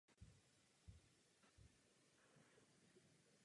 Režisérem filmu je John Cameron Mitchell.